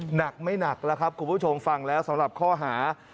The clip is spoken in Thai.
หนักไม่หนักแล้วครับคุณผู้ชมฟังแล้วสำหรับข้อหา